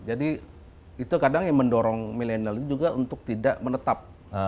jadi itu kadang yang mendorong milenial juga untuk tidak menetap